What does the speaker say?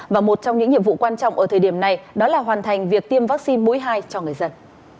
và một trong những nhiệm vụ quan trọng ở thời điểm này đó là hoàn thành việc tiêm vaccine mũi hai cho người dân